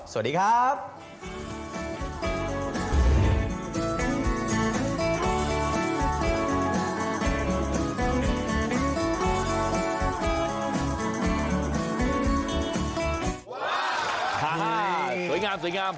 สวัสดีครับ